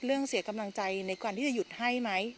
เสียกำลังใจในการที่จะหยุดให้ไหม